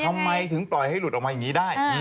ทำไมถึงปล่อยให้หลุดออกมาอย่างนี้ได้